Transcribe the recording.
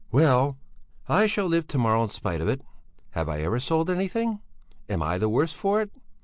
"Well, I shall live somehow in spite of it. Have I ever sold anything? Am I the worse for it?